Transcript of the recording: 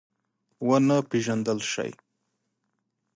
ونه پېژندل شي.